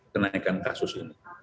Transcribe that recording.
kenaikan kasus ini